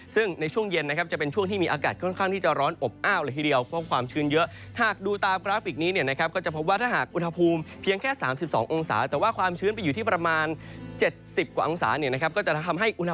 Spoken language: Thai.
ซึ่งในช่วงเย็นนะครับจะเป็นช่วงที่มีอากาศค่อนข้างที่จะร้อนอบอ้าวเลยทีเดียวเพราะความชื้นเยอะ